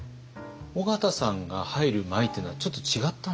緒方さんが入る前というのはちょっと違ったんですか？